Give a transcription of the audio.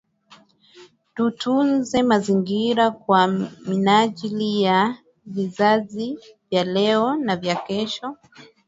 Tutunze mazingira kwa minajili ya vizazi vya leo na vya kesho